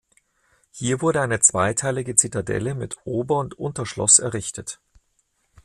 Hier wurde eine zweiteilige Zitadelle mit Ober- und Unterschloss errichtet.